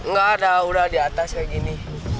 nggak ada udah di atas kayak gini